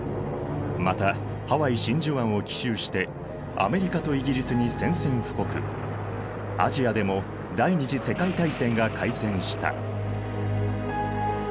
またハワイ真珠湾を奇襲してアメリカとイギリスに宣戦布告アジアでも第二次世界大戦が開戦した。